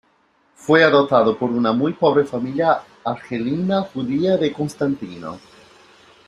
Fue adoptado por una muy pobre familia argelina judía de Constantino.